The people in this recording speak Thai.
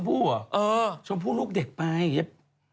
พี่ปุ้ยลูกโตแล้ว